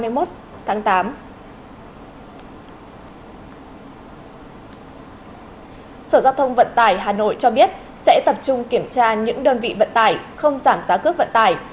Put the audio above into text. sở giao thông vận tải hà nội cho biết sẽ tập trung kiểm tra những đơn vị vận tải không giảm giá cước vận tải